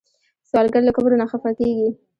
سوالګر له کبر نه خفه کېږي